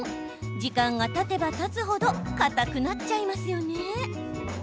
時間がたてばたつ程かたくなっちゃいますよね。